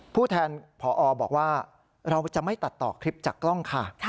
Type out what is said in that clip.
ผู้แทนพอบอกว่าเราจะไม่ตัดต่อคลิปจากกล้องค่ะ